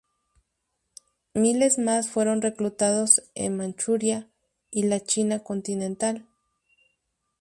Miles más fueron reclutados en Manchuria y la China continental.